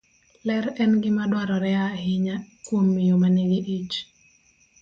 Ler en gima dwarore ahinya kuom miyo ma nigi ich.